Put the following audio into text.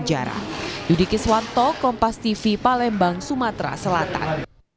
s satu talk kompas tv palembang sumatera selatan